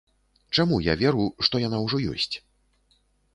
Чаму я веру, што яна ўжо ёсць?